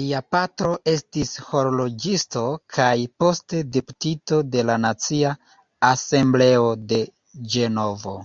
Lia patro estis horloĝisto kaj poste deputito de la Nacia Asembleo de Ĝenovo.